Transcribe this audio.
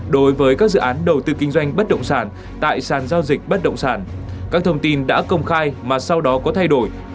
đối với các dự án đầu tư kinh doanh bất động sản tại sàn giao dịch bất động sản các thông tin đã công khai mà sau đó có thay đổi